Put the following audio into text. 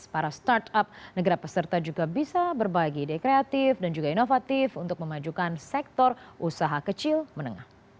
para startup negara peserta juga bisa berbagi ide kreatif dan juga inovatif untuk memajukan sektor usaha kecil menengah